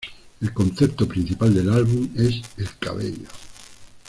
El concepto principal del álbum es el cabello.